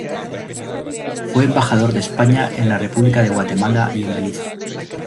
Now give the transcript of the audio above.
Fue Embajador de España en la República de Guatemala y en Belice.